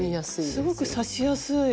すごく刺しやすい。